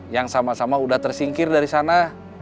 yang sama sama sudah tersingkir dari sana